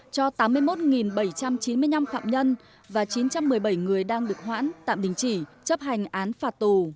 cho tám mươi một bảy trăm chín mươi năm phạm nhân và chín trăm một mươi bảy người đang được hoãn tạm đình chỉ chấp hành án phạt tù